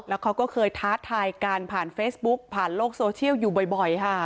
แล้วเขาก็เคยท้าทายกันผ่านเฟซบุ๊กผ่านโลกโซเชียลอยู่บ่อยค่ะ